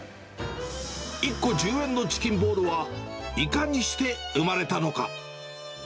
１個１０円のチキンボールは、いかにして生まれたのか。